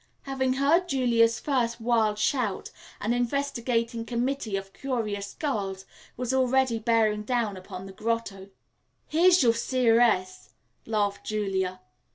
Having heard Julia's first wild shout, an investigating committee of curious girls was already bearing down upon the grotto. "Here's your Seeress!" laughed Julia.